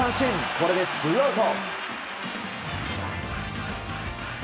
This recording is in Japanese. これでツーアウト。